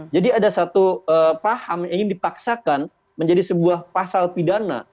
jadi ada satu paham yang ingin dipaksakan menjadi sebuah pasal pidana